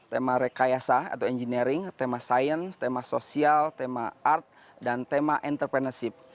tema rekayasa atau engineering tema sains tema sosial tema art dan tema entrepreneurship